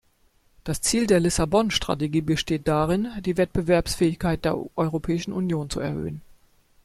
Das Ziel der Lissabon-Strategie besteht darin, die Wettbewerbsfähigkeit der Europäischen Union zu erhöhen.